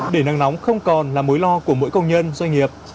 để nắng nóng không còn là mối lo của mỗi công nhân doanh nghiệp